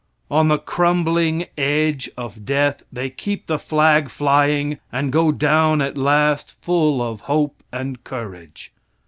On the crumbling edge of death they keep the flag flying and go down at last full of hope and courage.